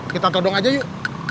kita todong aja yuk